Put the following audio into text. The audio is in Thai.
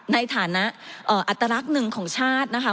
ในฐานะอัตลักษณ์หนึ่งของชาตินะคะ